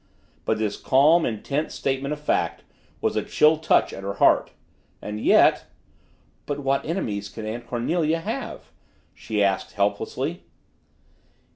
But this calm, intent statement of fact was a chill touch at her heart. And yet "But what enemies can Aunt Cornelia have?" she asked helplessly.